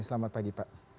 selamat pagi pak